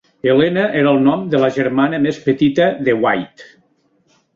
Helena era el nom de la germana més petita de White.